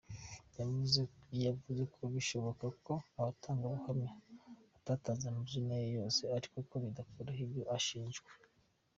Yavuze ko bishoboka ko abatangabuhamya batatanze amazina ye yose ariko ko bidakuraho ibyo ashinjwa.